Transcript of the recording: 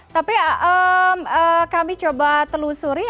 tapi kami coba telusuri